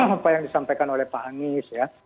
apa yang disampaikan oleh pak anies ya